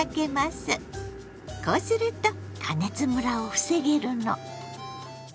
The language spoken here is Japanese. こうすると加熱むらを防げるの。